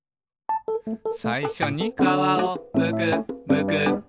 「さいしょに」「皮をむくむく」